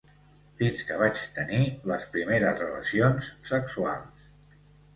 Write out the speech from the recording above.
Fins que vaig tenir les primeres relacions sexuals.